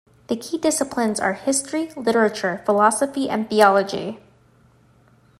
The key disciplines are history, literature, philosophy and theology.